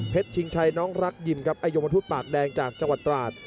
เพชรชิงชัยน้องรักยิ่มไอโยมทูตปากแดงจากจังหวัดตราศ